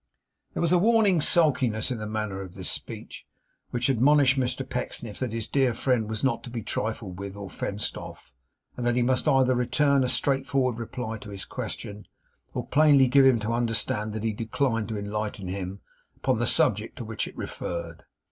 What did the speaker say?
There was a warning sulkiness in the manner of this speech, which admonished Mr Pecksniff that his dear friend was not to be trifled with or fenced off, and that he must either return a straight forward reply to his question, or plainly give him to understand that he declined to enlighten him upon the subject to which it referred.